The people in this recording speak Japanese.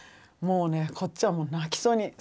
もうねこっちは泣きそうに。